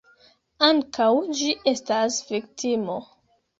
Ankaŭ ĝi estas viktimo.